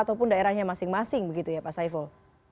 ataupun daerahnya masing masing begitu ya pak saiful